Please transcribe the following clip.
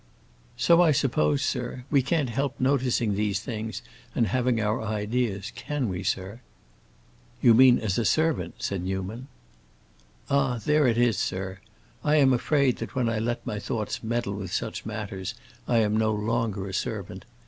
"So I suppose, sir. We can't help noticing these things and having our ideas; can we, sir?" "You mean as a servant?" said Newman. "Ah, there it is, sir. I am afraid that when I let my thoughts meddle with such matters I am no longer a servant.